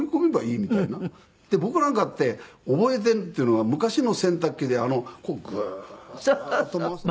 僕なんかって覚えているっていうのは昔の洗濯機でこうグーッと回すと。